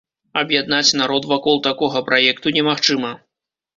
Аб'яднаць народ вакол такога праекту немагчыма.